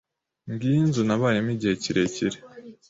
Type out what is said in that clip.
Ngiyo inzu nabayemo igihe kirekire.